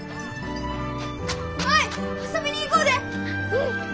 舞遊びに行こうで！